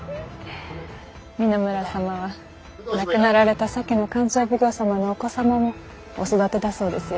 三野村様は亡くなられた先の勘定奉行様のお子様もお育てだそうですよ。